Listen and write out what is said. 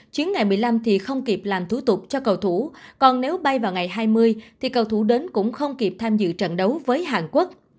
chuyến ngày một mươi năm thì không kịp làm thủ tục cho cầu thủ còn nếu bay vào ngày hai mươi thì cầu thủ đến cũng không kịp tham dự trận đấu với hàn quốc